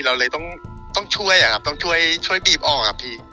เราเลยต้องช่วยอะครับต้องช่วยบีบออกครับพี่